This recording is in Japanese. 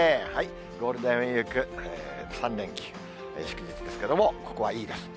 ゴールデンウィーク３連休、祝日ですけれども、ここはいいです。